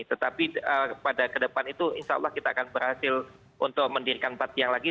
tetapi pada ke depan itu insya allah kita akan berhasil untuk mendirikan empat tiang lagi